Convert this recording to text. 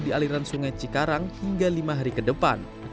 di aliran sungai cikarang hingga lima hari ke depan